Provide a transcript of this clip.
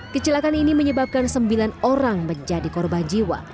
kecelakaan ini menyebabkan sembilan orang menjadi korban jiwa